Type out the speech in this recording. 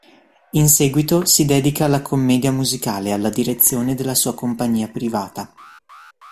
In seguito si dedica alla commedia musicale e alla direzione della sua compagnia privata.